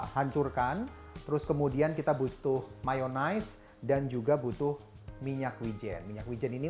hancurkan terus kemudian kita butuh mayonize dan juga butuh minyak wijen minyak wijen ini